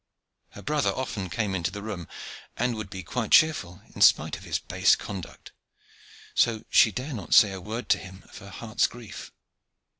Her brother often came into the room, and would be quite cheerful, in spite of his base conduct; so she dare not say a word to him of her heart's grief.